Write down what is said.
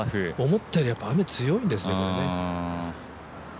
思ったより雨強いんですね。